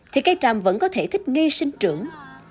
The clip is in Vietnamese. thì cây tràm vẫn có thể thích nghi sinh trưởng